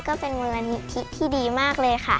ก็เป็นมูลนิธิที่ดีมากเลยค่ะ